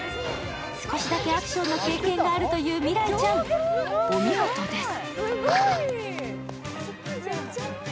少しだけアクションの経験があるという未来ちゃん、お見事です。